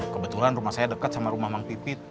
kebetulan rumah saya dekat sama rumah mang pipit